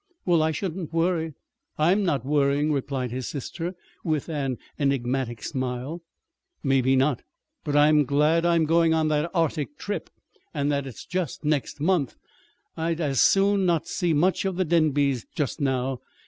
"Well, I shouldn't worry. I'm not worrying," replied his sister, with an enigmatic smile. "Maybe not. But I'm glad I'm going on that Arctic trip, and that it's just next month. I'd as soon not see much of the Denbys just now.